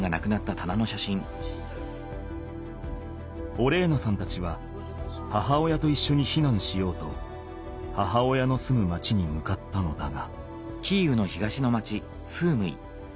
オレーナさんたちは母親といっしょに避難しようと母親の住む町に向かったのだが。